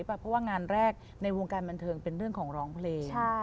เพราะว่างานแรกในวงการบันเทิงเป็นเรื่องของร้องเพลง